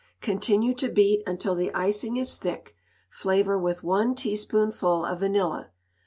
Continue to beat until the icing is thick. Flavor with one teaspoonful of vanilla.